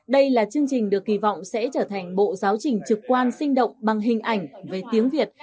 đây là chương trình được kỳ vọng sẽ trở thành bộ giáo trình trực quan sinh động bằng hình ảnh về tiếng việt